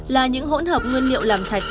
là những hỗn hợp nguyên liệu làm thạch đen